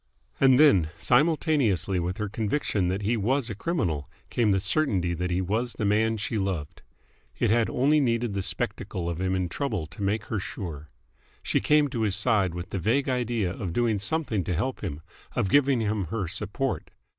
And then, simultaneously with her conviction that he was a criminal, came the certainty that he was the man she loved. It had only needed the spectacle of him in trouble to make her sure. She came to his side with the vague idea of doing something to help him, of giving him her support.